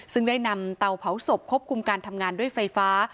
ซึ่งได้นำเตาเผาศพควบคุมการทำงานด้วยไฟฟ้า